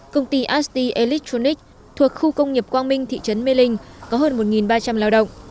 công ty asti electronic thuộc khu công nghiệp quang minh thị trấn mê linh có hơn một ba trăm linh lao động